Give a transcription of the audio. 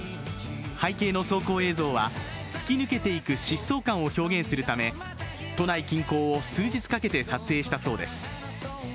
背景の走行映像は、突き抜けていく疾走感を表現するため、都内近郊を数日かけて撮影したそうです。